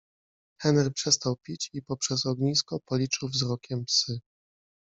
Henry przestał pić i poprzez ognisko policzył wzrokiem psy.